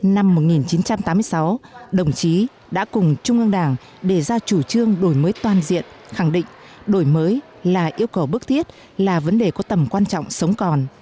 năm một nghìn chín trăm tám mươi sáu đồng chí đã cùng trung ương đảng đề ra chủ trương đổi mới toàn diện khẳng định đổi mới là yêu cầu bức thiết là vấn đề có tầm quan trọng sống còn